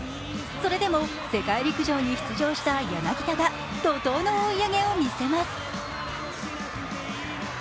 それでも世界陸上に出場した柳田が怒とうの追い上げを見せます。